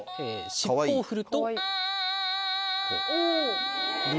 尻尾を振る。